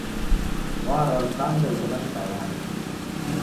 Warwa lukange luko na msalaba